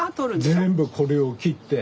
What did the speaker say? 全部これをきって。